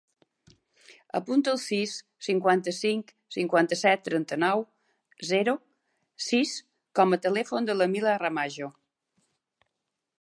Apunta el sis, cinquanta-cinc, cinquanta-set, trenta-nou, zero, sis com a telèfon de la Mila Ramajo.